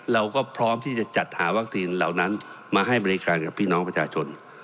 เราก็พร้อมที่จะจัดหาวัคซีนเหล่านั้นมาให้บริการกับพี่น้องประชาชน